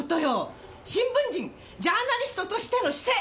新聞人ジャーナリストとしての姿勢！